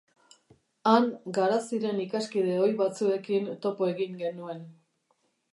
Han, Garaziren ikaskide ohi batzuekin topo egin genuen.